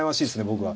僕は。